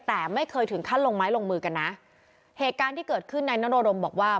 แต่ไม่เคยถึงขั้นลงไม้ลงมือกันนะเหตุการณ์ที่เกิดขึ้นนายนโรดรมบอกว่า